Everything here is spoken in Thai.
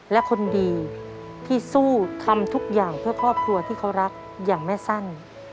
และคนดีที่สู้ทำทุกอย่างเพื่อครอบครัวที่เขารักอย่างแม่สั้น